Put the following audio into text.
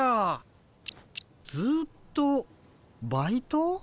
ずっとバイト？